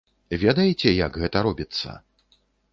Ведаеце, як гэта робіцца?